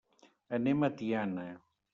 Anem a Tiana.